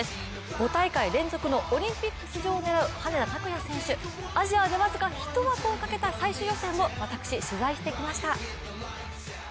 ５大会連続のオリンピック出場を狙う羽根田卓也選手、アジアで僅か１枠をかけた最終予選を私、取材してきました。